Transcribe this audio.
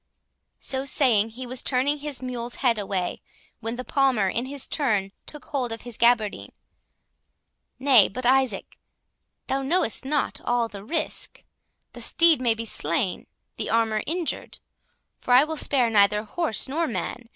So saying, he was turning his mule's head away, when the Palmer, in his turn, took hold of his gaberdine. "Nay, but Isaac, thou knowest not all the risk. The steed may be slain, the armour injured—for I will spare neither horse nor man.